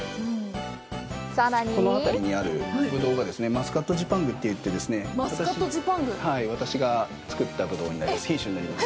さらにこの辺りにあるブドウがマスカットジパングといって私が作った品種になります。